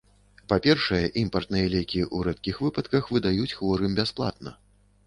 Па-першае, імпартныя лекі ў рэдкіх выпадках выдаюць хворым бясплатна.